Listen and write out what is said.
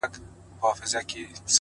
• په سپين لاس کي يې دی سپين سگريټ نيولی؛